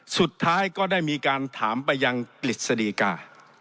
สุดท้ายก็ได้มีการถามไปยังกฤษฎีกา